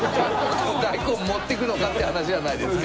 この大根持ってくのかって話じゃないですか。